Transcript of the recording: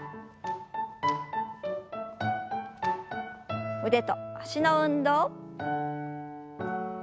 腕と脚の運動。